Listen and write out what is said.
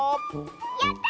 やった！